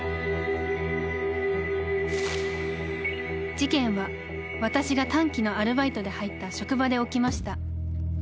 ［事件は私が短期のアルバイトで入った職場で起きました］